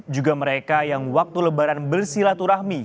juga mereka yang waktu lebaran bersilaturahmi